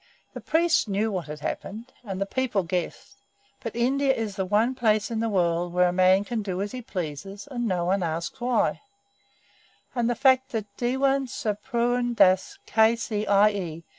The priests knew what had happened, and the people guessed; but India is the one place in the world where a man can do as he pleases and nobody asks why; and the fact that Dewan Sir Purun Dass, K.C.I.E.